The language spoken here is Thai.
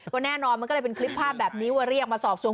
ก็แน่นอนมันก็เลยเป็นคลิปภาพแบบนี้ว่าเรียกมาสอบสวน